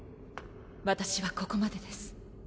私はここまでです。